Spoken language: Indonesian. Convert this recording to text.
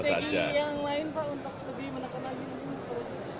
strategi yang lain pak untuk lebih menekan lagi korupsi